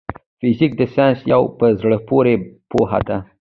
فزيک د ساينس يو په زړه پوري پوهه ده.